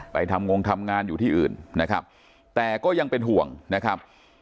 ทำงงทำงานอยู่ที่อื่นนะครับแต่ก็ยังเป็นห่วงนะครับ